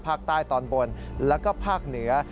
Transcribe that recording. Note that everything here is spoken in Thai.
ภาคใต้ตอนบนแล้วก็ภาคเหนือ